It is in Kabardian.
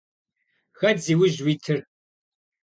Хэт зиужь уитыр?